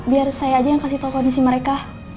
biar saya aja yang kasih tahu kondisi mereka